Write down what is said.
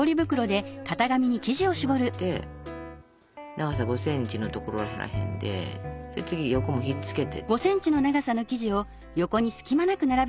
長さ５ｃｍのところらへんで次横もひっつけてって下さい。